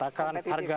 jadi kakak titipnya